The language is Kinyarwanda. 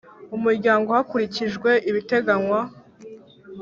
Umuryango Hakurikijwe Ibiteganywa